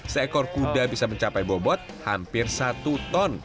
seekor kuda bisa mencapai bobot hampir satu ton